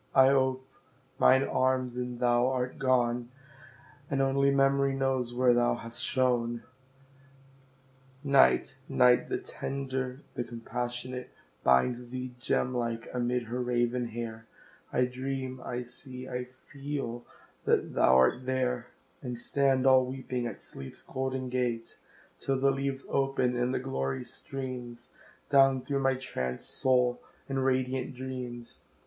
I ope mine arms, and thou art gone, And only Memory knows where thou hast shone. Night Night the tender, the compassionate, Binds thee, gem like, amid her raven hair; I dream I see I feel that thou art there And stand all weeping at Sleep's golden gate, Till the leaves open, and the glory streams Down through my trancèd soul in radiant dreams.